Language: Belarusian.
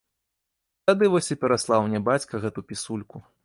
Тады вось і пераслаў мне бацька гэту пісульку.